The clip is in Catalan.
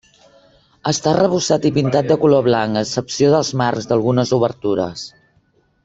Està arrebossat i pintat de color blanc, a excepció dels marcs d'algunes obertures.